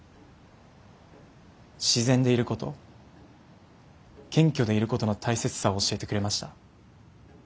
自然でいること謙虚でいることの大切さを教えてくれました。